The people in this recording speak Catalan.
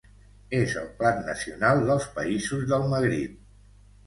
És el plat nacional dels països del Magrib.